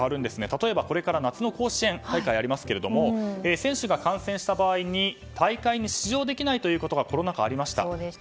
例えば、これから夏の甲子園大会がありますが選手が感染した場合に大会に出場できないということがコロナ禍でありました。